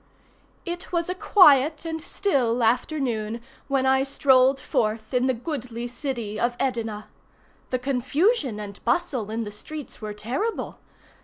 It was a quiet and still afternoon when I strolled forth in the goodly city of Edina. The confusion and bustle in the streets were terrible.